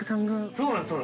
そうなんです。